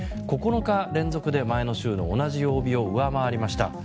９日連続で前の週の同じ曜日を上回りました。